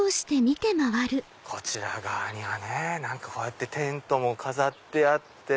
こちら側にはねこうやってテントも飾ってあって。